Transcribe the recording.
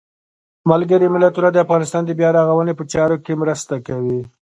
ملګري ملتونه د افغانستان د بیا رغاونې په چارو کې مرسته کوي.